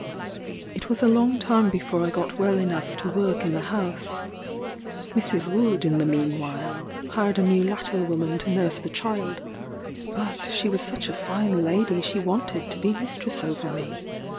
It was a long time before I got well enough to work in the house. Mrs. Wood, in the meanwhile, hired a mulatto woman to nurse the child; but she was such a fine lady she wanted to be mistress over me.